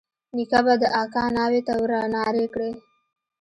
نيکه به د اکا ناوې ته ورنارې کړې.